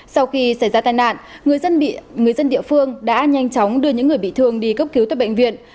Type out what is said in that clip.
sau khi xảy ra tai nạn người dân địa phương đã nhanh chóng đưa những người bị thương đi cấp cứu tại bệnh viện